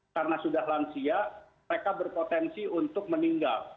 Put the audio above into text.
karena sudah lansia mereka berpotensi untuk meninggal